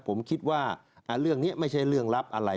ผมคิดว่าเรื่องนี้ไม่ใช่เรื่องลับอะไร